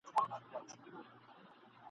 د پانوس لمبه مي ولوېده له نوره ..